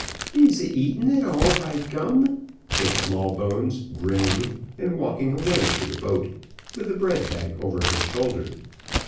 "He's a eaten it all, by gum," said Smallbones, grinning, and walking away to the boat, with the bread bag over his shoulder.